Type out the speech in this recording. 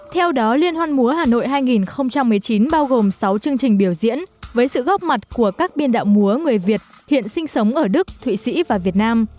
theo đó liên hoan múa hà nội hai nghìn một mươi chín bao gồm sáu chương trình biểu diễn với sự góp mặt của các biên đạo múa người việt hiện sinh sống ở đức thụy sĩ và việt nam